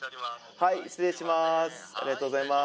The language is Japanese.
はい失礼します